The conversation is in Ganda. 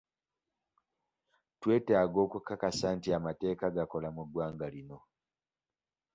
Twetaaga okukakasa nti amateeka gakola mu ggwanga lino.